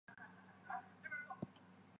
该游戏当时正经历快速的变动。